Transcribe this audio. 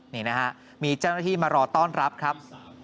นี่นะฮะมีเจ้าหน้าที่มารอต้อนรับครับ